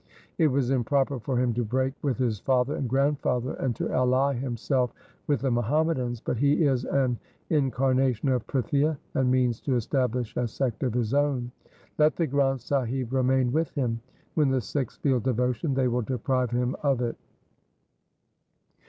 It was improper for him to break with his father and grandfather and to ally himself with the Muhammadans, but he is an incarnation of Prithia and means to establish a sect of his own. Let the Granth Sahib remain with him. When the Sikhs feel devotion, they will deprive him of it.'